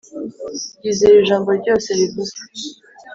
yizera ijambo ryose rivuzwe .